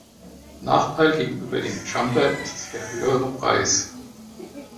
Nachteil gegenüber dem Jumper ist der höhere Preis.